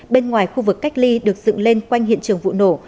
bên ngoài khu vực cách ly được dựng lên quanh hiện trường vụ nổ